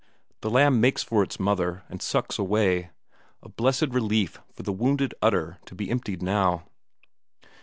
The lamb makes for its mother and sucks away a blessed relief for the wounded udder to be emptied now.